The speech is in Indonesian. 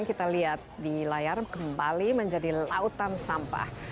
kita lihat di layar kembali menjadi lautan sampah